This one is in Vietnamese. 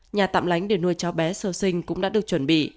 nhà tạm lánh để nuôi chó bé sơ sinh cũng đã được chuẩn bị